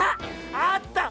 あった！